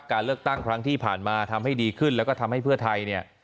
การเลือกตั้งครั้งที่ผ่านมาทำให้ดีขึ้นแล้วก็ทำให้เพื่อไทยเนี่ย